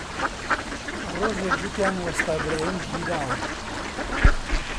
ڕۆژێک گوتیان وەستا برایم گیراوە